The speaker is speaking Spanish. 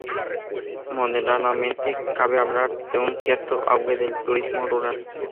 Modernamente cabe hablar de un cierto auge del turismo rural.